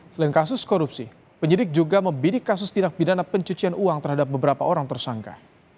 selain kasus korupsi penyidik juga membidik kasus tindak pidana pencucian uang terhadap beberapa orang tersangka